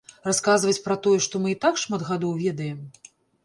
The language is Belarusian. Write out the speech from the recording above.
Расказваць пра тое, што мы і так шмат гадоў ведаем?